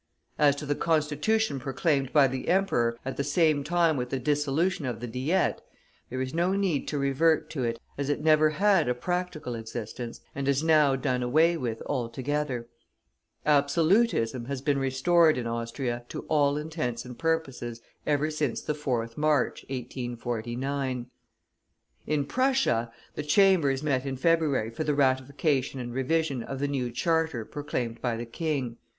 As to the Constitution proclaimed by the Emperor at the same time with the dissolution of the Diet, there is no need to revert to it, as it never had a practical existence, and is now done away with altogether. Absolutism has been restored in Austria to all intents and purposes ever since the 4th March, 1849. In Prussia, the Chambers met in February for the ratification and revision of the new Charter proclaimed by the King.